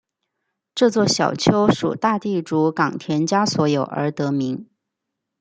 这座小丘属大地主冈田家所有而得名。